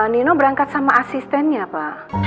nino berangkat sama asistennya pak